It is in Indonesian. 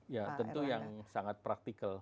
ya tentu yang sangat praktikal